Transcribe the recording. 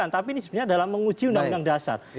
tapi ini sebenarnya dalam menguji undang undang dasar